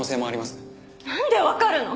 なんでわかるの？